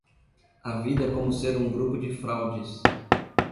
A vida é como ser um grupo de fraudes